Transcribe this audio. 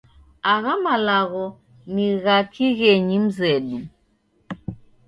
Agha malagho ni gha kighenyi mzedu.